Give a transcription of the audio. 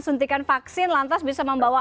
suntikan vaksin lantas bisa membawa